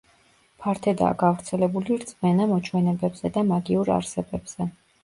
ფართედაა გავრცელებული რწმენა მოჩვენებებზე და მაგიურ არსებებზე.